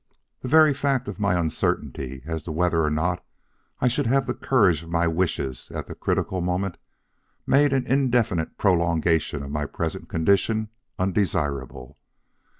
The very fact of my uncertainty as to whether or not I should have the courage of my wishes at the critical moment made an indefinite prolongation of my present condition undesirable.